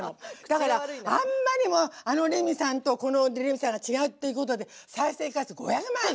だからあんまりにもあのレミさんとこのレミさんが違うっていうことで再生回数５００万よ。